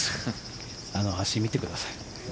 あの足、見てください。